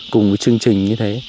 cùng với chương trình như thế